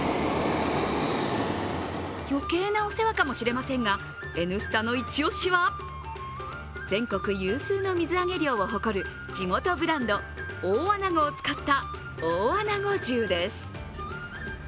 余計なお世話かもしれませんが、「Ｎスタ」のイチオシは全国有数の水揚げ量を誇る地元ブランド・大あなごを使った大あなご重です。